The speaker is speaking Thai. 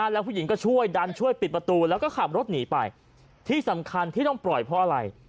แล้วผู้หญิงก็ช่วยดันช่วยปิดประตูแล้วก็ขับรถหนีไปที่สำคัญที่ต้องปล่อยเพราะอะไร